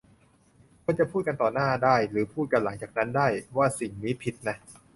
ควรจะพูดกันต่อหน้าได้หรือพูดกันหลังจากนั้นได้ ว่าสิ่งนี้ผิดนะ